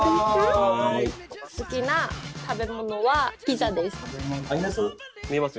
好きな食べ物はピザです見えます？